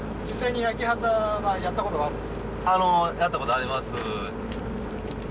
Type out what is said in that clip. あのやったことあります。